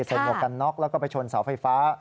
หมวกกันน็อกแล้วก็ไปชนเสาไฟฟ้า